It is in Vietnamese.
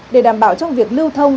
để đảm bảo trong việc lưu thông